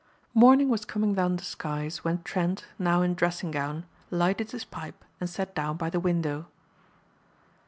Morning was coming down the skies when Trent, now in dressing gown, lighted his pipe and sat down by the window.